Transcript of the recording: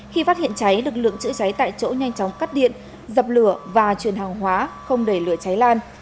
khi phát hiện cháy lực lượng chữa cháy tại chỗ nhanh chóng cắt điện dập lửa và chuyển hàng hóa không để lửa cháy lan